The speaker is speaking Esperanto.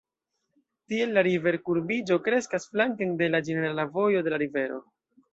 Tiel la river-kurbiĝo kreskas flanken de la ĝenerala vojo de la rivero.